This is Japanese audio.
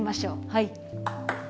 はい。